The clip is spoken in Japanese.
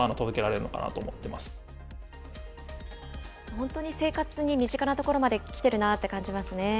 本当に生活に身近な所にまできてるなって感じますね。